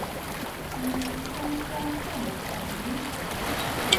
mi kama tawa tomo tan ni.